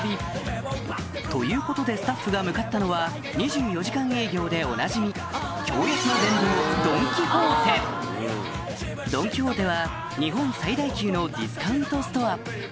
ということでスタッフが向かったのは２４時間営業でおなじみ驚安の殿堂ドン・キホーテは日本最大級のディスカウントストア